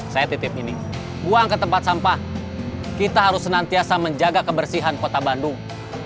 saya titip ini buang ke tempat sampah kita harus senantiasa menjaga kebersihan kota bandung